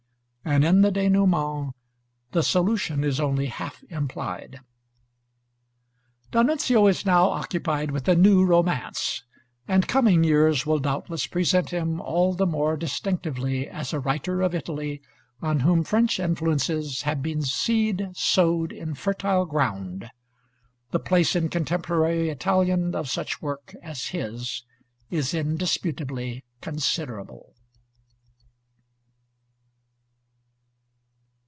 And in the dénouement the solution is only half implied. D'Annunzio is now occupied with a new romance; and coming years will doubtless present him all the more distinctively as a writer of Italy on whom French inflences have been seed sowed in fertile ground. The place in contemporary Italian of such work as his is indisputably considerable.